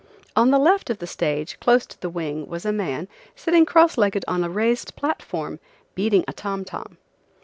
On the left of the stage, close to the wing, was a man, sitting cross legged on a raised platform, beating a tom tom.